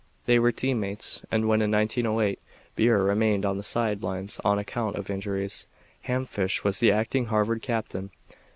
They were team mates, and when in 1908 Burr remained on the side lines on account of injuries, Ham Fish was the acting Harvard captain.